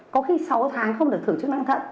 có khi sáu tháng không được thử chức năng thận